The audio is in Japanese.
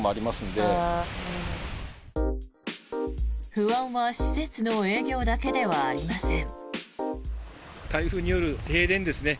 不安は施設の営業だけではありません。